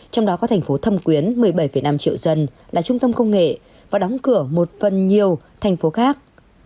trong đó có thành phố thâm quyến một mươi bảy năm triệu dân là trung tâm công nghệ và đóng cửa một phần nhiều thành phố khác